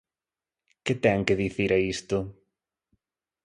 Que ten que dicir a isto?